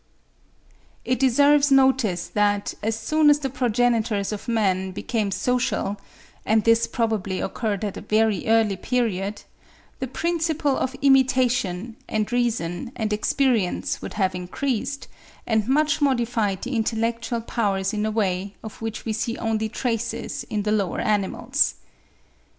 It deserves notice that, as soon as the progenitors of man became social (and this probably occurred at a very early period), the principle of imitation, and reason, and experience would have increased, and much modified the intellectual powers in a way, of which we see only traces in the lower animals.